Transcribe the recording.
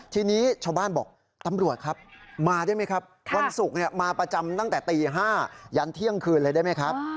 ทีนี้ชาวบ้านบอกตำรวจครับมาได้ไหมครับวันศุกร์มาประจำตั้งแต่ตี๕ยันเที่ยงคืนเลยได้ไหมครับ